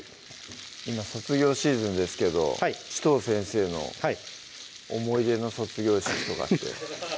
今卒業シーズンですけど紫藤先生の思い出の卒業式とかって？